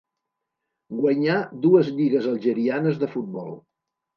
Guanyà dues lligues algerianes de futbol.